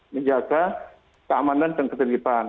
menjaga keamanan dan ketelitipan